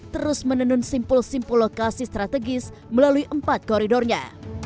terus kalau mau ke mal lebih mudah aksesnya